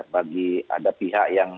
bagi ada pihak yang